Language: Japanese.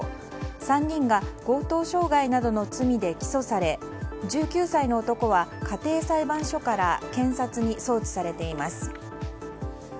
３人が強盗傷害などの罪で起訴され１９歳の男は家庭裁判所から検察に送致されています。